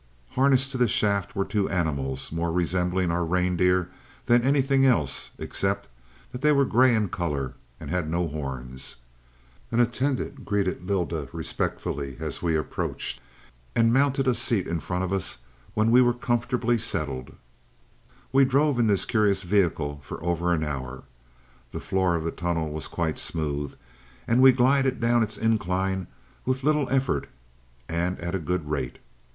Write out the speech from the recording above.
"Harnessed to the shaft were two animals, more resembling our reindeers than anything else, except that they were gray in color and had no horns. An attendant greeted Lylda respectfully as we approached, and mounted a seat in front of us when we were comfortably settled. "We drove in this curious vehicle for over an hour. The floor of the tunnel was quite smooth, and we glided down its incline with little effort and at a good rate.